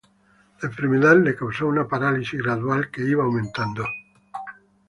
La enfermedad le causó una parálisis gradual que iba aumentando.